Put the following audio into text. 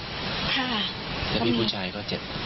คุณพี่ผู้ชายก็เจ็บ